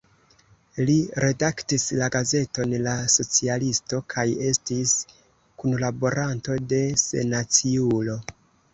Li redaktis la gazeton "La Socialisto" kaj estis kunlaboranto de "Sennaciulo.